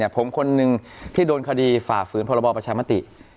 ผมคนหนึ่งที่โดนคดีฝ่าฝืนพรบประชามติ